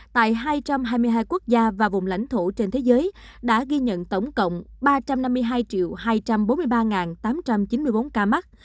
tại hai trăm hai mươi hai quốc gia và vùng lãnh thổ trên thế giới đã ghi nhận tổng cộng ba trăm năm mươi hai hai trăm bốn mươi ba tám trăm chín mươi bốn ca mắc